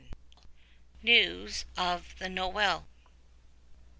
63 NEWS OF THE NOWELL.